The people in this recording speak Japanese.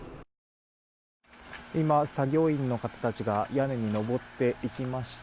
今、作業員の方たちが屋根に登っていきました。